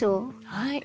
はい。